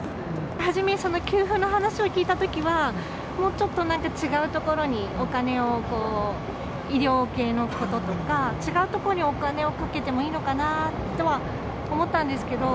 初め、その給付の話を聞いたときは、もうちょっとなんか、違うところにお金を、医療系のこととか、違うところにお金をかけてもいいのかなとは思ったんですけど。